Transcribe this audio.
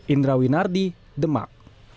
indra winardi demak